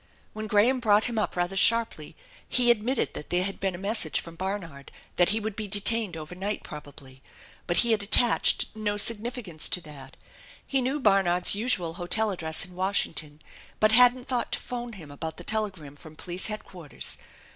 When Graham brought him up rather sharply he admitted that there had been a message from Barnard that he would be detained over night probably, but he had attached no significance to that. He knew Barnard's usual hotel address in Washington but hadn't thought to phone him about the telegram from police head quarters.